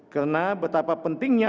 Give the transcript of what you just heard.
karena betapa pentingnya